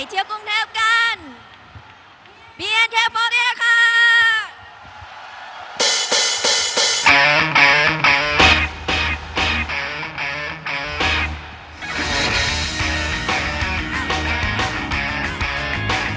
เหมือนกูเดินไม่ไกลหรอก